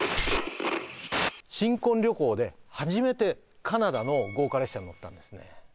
新婚旅行で初めてカナダの豪華列車に乗ったんですね